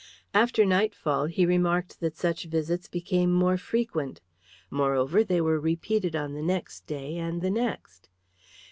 After nightfall he remarked that such visits became more frequent. Moreover, they were repeated on the next day and the next.